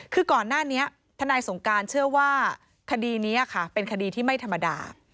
คือก่อนหน้านี้ทนายสงการเชื่อว่าคดีนี้ค่ะเป็นคดีที่ไม่ธรรมดา